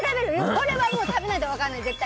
これは食べないと分かんない、絶対。